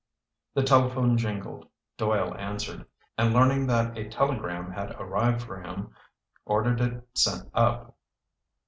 The telephone jingled. Doyle answered, and learning that a telegram had arrived for him, ordered it sent up.